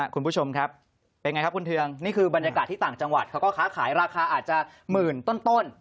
คุณผู้ชมครับเป็นไงครับคุณเทืองนี่คือบรรยากาศที่ต่างจังหวัดเขาก็ค้าขายราคาอาจจะหมื่นต้น